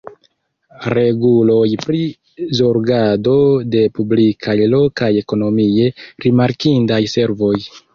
Reguloj pri zorgado de publikaj lokaj ekonomie rimarkindaj servoj.